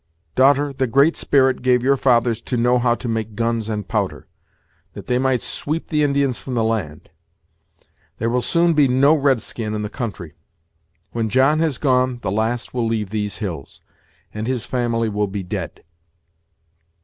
Daughter, the Great Spirit gave your fathers to know how to make guns and powder, that they might sweep the Indians from the land. There will soon be no red skin in the country. When John has gone, the last will leave these hills, and his family will be dead."